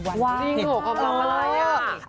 จริงเหรอขอบคำอะไรอ่ะ